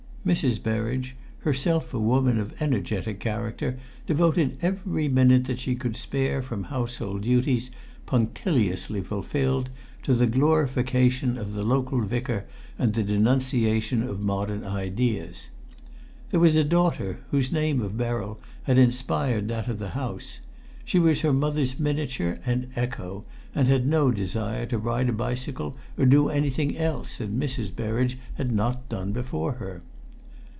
Mrs. Berridge, herself a woman of energetic character, devoted every minute that she could spare from household duties, punctiliously fulfilled, to the glorification of the local Vicar and the denunciation of modern ideas. There was a daughter, whose name of Beryl had inspired that of the house; she was her mother's miniature and echo, and had no desire to ride a bicycle or do anything else that Mrs. Berridge had not done before her.